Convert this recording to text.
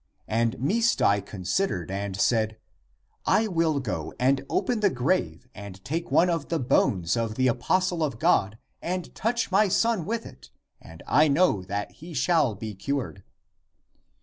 And Misdai considered and said, " I will go and open the grave and take one of the bones of the apostle of God and touch my son with it, and I know that he shall be cured."